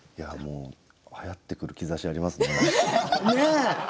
はやってくる兆しがありますね。